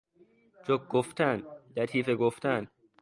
جوک گفتن، لطیفه گفتن